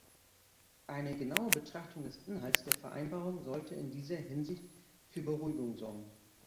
Eine genaue Betrachtung des Inhalts der Vereinbarung sollte in dieser Hinsicht für Beruhigung sorgen.